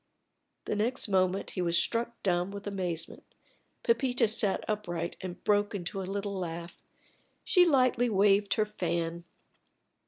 The next moment he was struck dumb with amazement. Pepita sat upright and broke into a little laugh. She lightly waved her fan.